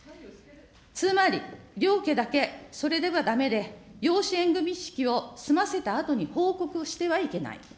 つまり両家だけ、それではだめで、養子縁組み式を済ませたあとに報告してはいけない。